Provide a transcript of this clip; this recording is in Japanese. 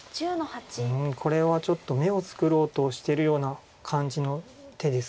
うんこれはちょっと眼を作ろうとしてるような感じの手です。